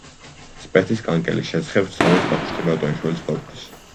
სპეთის კანკელის შესახებ ცნობებს ვახუშტი ბატონიშვილიც გვაწვდის.